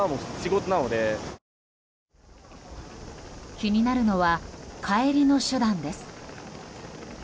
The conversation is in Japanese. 気になるのは帰りの手段です。